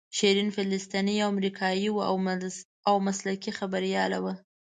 شیرین فلسطینۍ او امریکایۍ وه او مسلکي خبریاله وه.